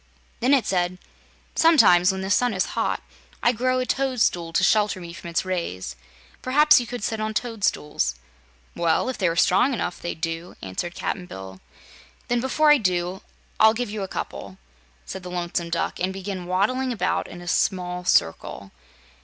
Then it said: "Sometimes, when the sun is hot, I grow a toadstool to shelter me from its rays. Perhaps you could sit on toadstools." "Well, if they were strong enough, they'd do," answered Cap'n Bill. "Then, before I do I'll give you a couple," said the Lonesome Duck, and began waddling about in a small circle.